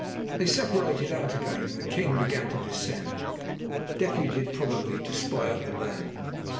They separated out again, and the king began to descend, deputed probably to spy out the land.